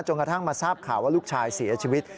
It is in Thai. กระทั่งมาทราบข่าวว่าลูกชายเสียชีวิต